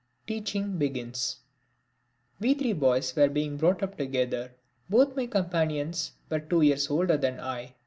(2) Teaching Begins We three boys were being brought up together. Both my companions were two years older than I.